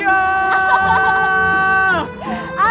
pasti seru amin